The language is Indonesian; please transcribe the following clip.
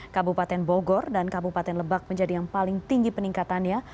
kabupaten bogor dan kabupaten lebak menjadi yang paling tinggi peningkatannya